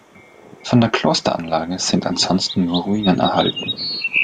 Von der Klosteranlage sind ansonsten nur Ruinen erhalten.